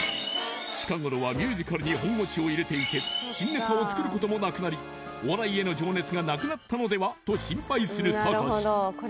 近頃はミュージカルに本腰を入れていて新ネタをつくることもなくなりお笑いへの情熱がなくなったのではと心配するたかし